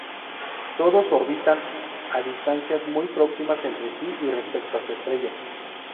Todos orbitan a distancias muy próximas entre sí y respecto a su estrella.